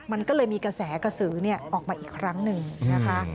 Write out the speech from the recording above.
มันก็เลยมีกระแสกระสือออกมาอีกครั้งหนึ่งนะคะ